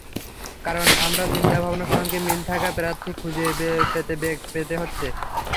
কারণ আমার চিন্তাভাবনার সঙ্গে মিল থাকা প্রার্থী খুঁজে পেতে বেগ পেতে হচ্ছে।